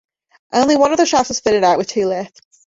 Only one of the shafts was fitted out, with two lifts.